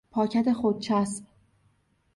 پاکت خودچسب